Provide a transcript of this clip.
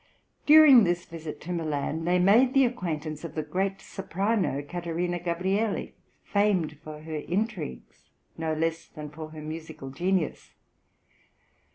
During this visit to Milan they made the acquaintance of the great soprano, Catarina Gabrielli, famed for her intrigues no less than for her musical genius.